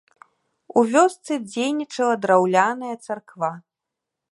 У вёсцы дзейнічала драўляная царква.